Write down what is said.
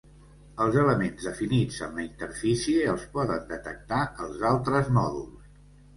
Els elements definits en la interfície els poden detectar els altres mòduls.